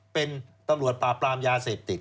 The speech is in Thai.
เป็นตัวตลวดปลาปลามยาเศรษฐิกต์